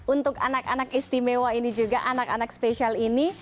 untuk anak anak istimewa ini juga anak anak spesial ini